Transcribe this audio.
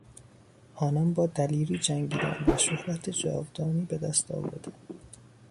آنان با دلیری جنگیدند و شهرت جاودانی به دست آوردند.